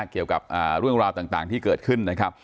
เกี่ยวกับเรื่องราวต่างที่เกิดขึ้นนะครับ